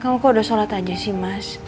kamu kok udah sholat aja sih mas